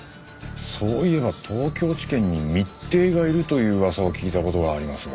そういえば東京地検に密偵がいるという噂を聞いた事がありますが。